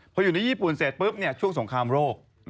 พออยู่ในญี่ปุ่นเสร็จปุ๊บช่วงสงครามโรค